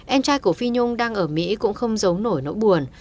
em trai của phi nhung đang ở mỹ cũng không giấu nổi nỗi buồn